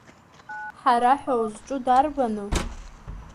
Ҳара ҳәа узҿу дарбану?